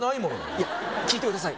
いや聞いてください